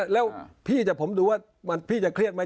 แล้วพี่ผมดูว่าพี่จะเครียดไหม